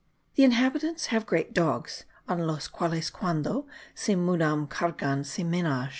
The inhabitants have great dogs, en los quales quando se mudan cargan su menage.